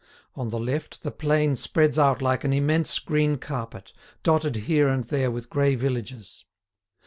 On the left, the plain spreads out like an immense green carpet, dotted here and there with grey villages.